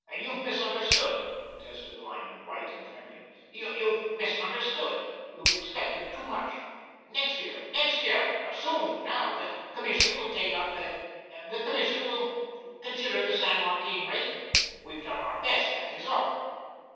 "You've misunderstood," protested Lyman, white and trembling. "You've misunderstood. You've expected too much. Next year, next year, soon now, the Commission will take up the the Commission will consider the San Joaquin rate. We've done our best, that is all."